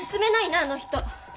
あの人。